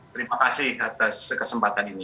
terima kasih atas kesempatan ini